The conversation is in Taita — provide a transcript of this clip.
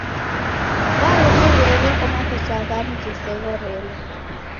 Warumirie gheko makosa ghamu ghiseghorelo.